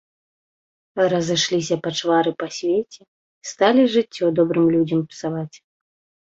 Разышліся пачвары па свеце, сталі жыццё добрым людзям псаваць.